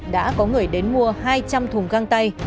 đã có người đến mua hai trăm linh thùng găng tay